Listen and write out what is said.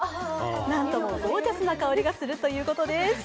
何ともゴージャスな香りがするということです。